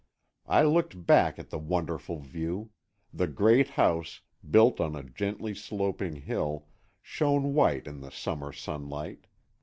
I looked back at the wonderful view. The great house, built on a gently sloping hill, shone white in the summer sunlight.